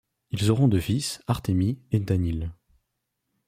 Ils auront deux fils, Artemy et Daniil.